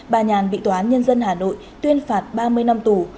bà nhàn bị tòa án nhân dân hà nội tuyên phạt ba mươi năm tù